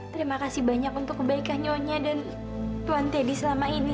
terima kasih banyak untuk kebaikan nyonya dan tuan teddy selama ini